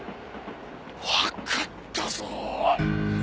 わかったぞ！